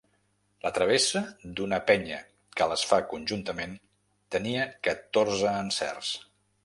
La travessa, d’una penya que les fa conjuntament, tenia catorze encerts.